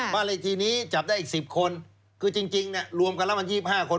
บ้านเลขที่นี้จับได้อีก๑๐คนคือจริงเนี่ยรวมกันแล้วมัน๒๕คน